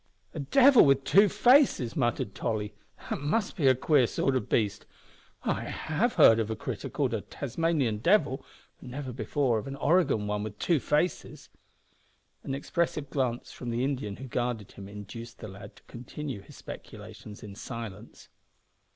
"A devil with two faces!" muttered Tolly; "that must be a queer sort o' beast! I have heard of a critter called a Tasmanian devil, but never before heard of an Oregon one with two faces." An expressive glance from the Indian who guarded him induced the lad to continue his speculations in silence.